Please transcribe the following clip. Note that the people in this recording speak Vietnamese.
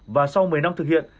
và sau một mươi năm thực hiện